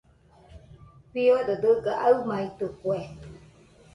Fiodo dɨga aɨmaitɨkue.